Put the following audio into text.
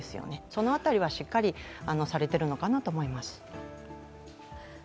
その辺り、しっかりなさっていると思います。